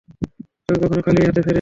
তোকে কখনও খালি হাতে ফিরিয়েছি?